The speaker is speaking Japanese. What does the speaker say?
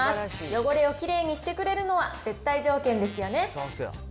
汚れをきれいにしてくれるのは、絶対条件ですよね。